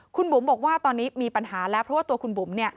คุณบุ๋มบอกว่าตอนนี้มีปัญหาแล้วเพราะว่าตัวคุณบุ๋ม